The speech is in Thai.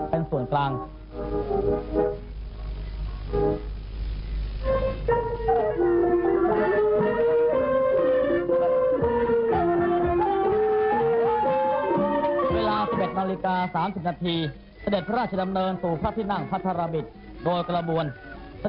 จากนั้นเวลา๑๑นาฬิกาเศรษฐ์พระธินั่งไพรศาลพักศิลป์